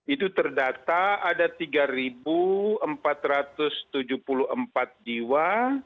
itu terdata ada tiga empat ratus tujuh puluh empat jiwa